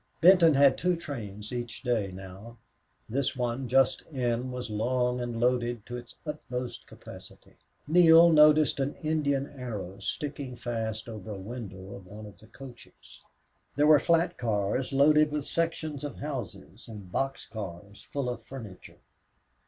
Benton had two trains each day now. This one, just in, was long and loaded to its utmost capacity. Neale noticed an Indian arrow sticking fast over a window of one of the coaches. There were flat cars loaded with sections of houses, and box cars full of furniture.